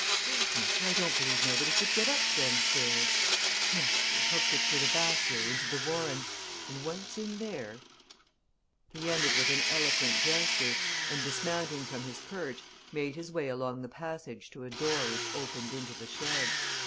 "Lord, mister! I don't believe nobody could get up them stairs! No they've hooked it through the back here, into the Warren. And once in there " He ended with an eloquent gesture, and dismounting from his perch made his way along the passage to a door which opened into the shed.